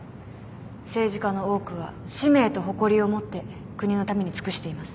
政治家の多くは使命と誇りを持って国のために尽くしています。